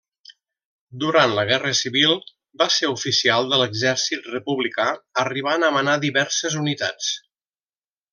Durant la Guerra civil va ser oficial de l'Exèrcit republicà, arribant a manar diverses unitats.